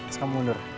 terus kamu mundur